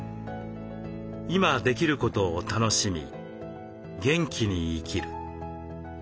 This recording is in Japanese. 今できることを楽しみ元気に生きる」。